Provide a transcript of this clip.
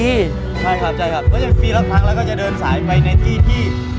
ใช่ครับไปปีละครั้งแล้วก็จะเดินสายไปในที่ที่